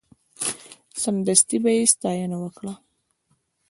سمدستي به یې ستاینه وکړه.